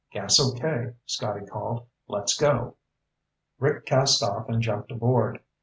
"Gas okay," Scotty called. "Let's go." Rick cast off and jumped aboard.